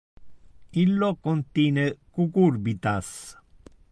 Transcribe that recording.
Illo contine cucurbitas.